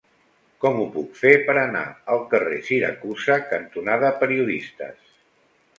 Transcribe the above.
Com ho puc fer per anar al carrer Siracusa cantonada Periodistes?